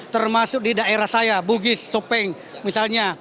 termasuk di daerah saya bugis topeng misalnya